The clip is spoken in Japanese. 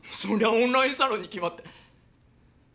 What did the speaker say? オンラインサロンに決まって。